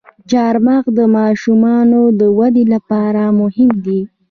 چارمغز د ماشومانو د ودې لپاره مهم دی.